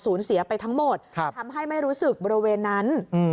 เสียไปทั้งหมดทำให้ไม่รู้สึกบริเวณนั้น